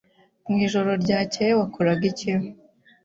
Mu ijoro ryakeye wakoraga iki?